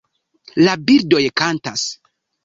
La birdoj kantas